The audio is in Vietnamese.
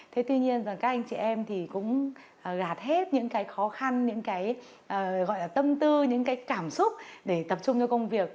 thế tuy nhiên các anh chị em thì cũng gạt hết những cái khó khăn những cái gọi là tâm tư những cái cảm xúc để tập trung cho công việc